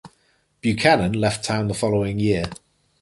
Buchanan left town the following year.